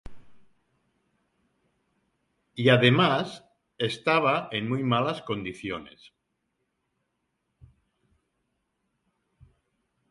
Y además estaba en muy malas condiciones.